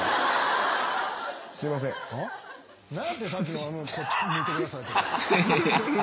さっきの「こっち向いてください」とか。